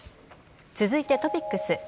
続いてトピックス。